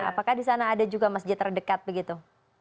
apakah di sana ada juga masjid terdekat begitu